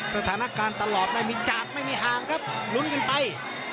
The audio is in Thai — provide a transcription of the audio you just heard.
สถานการณ์ตลอดไม่มีจากไม่มีห่างครับลุ้นกันไป